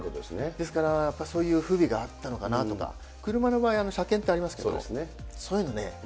ですからやっぱそういう不備があったのかなとか、車の場合、車検ってありますけど、そういうのね。